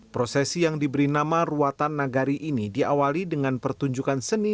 prosesi yang diberi nama ruatan nagari ini diawali dengan pertunjukan seni